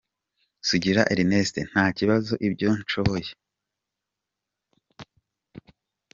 Sugira Ernest: Nta kibazo ibyo nshoboye.